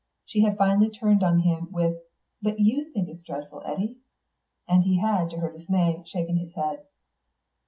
She had finally turned on him with, "But you think it dreadful, Eddy?" and he had, to her dismay, shaken his head.